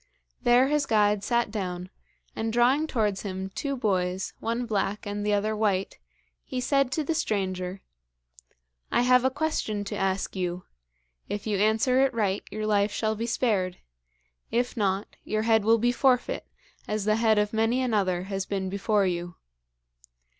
There his guide sat down, and drawing towards him two boys, one black and the other white, he said to the stranger: 'I have a question to ask you. If you answer it right, your life shall be spared. If not, your head will be forfeit, as the head of many another has been before you.